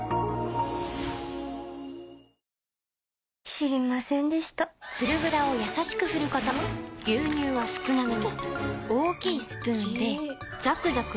知りませんでした「フルグラ」をやさしく振ること牛乳は少なめに大きいスプーンで最後の一滴まで「カルビーフルグラ」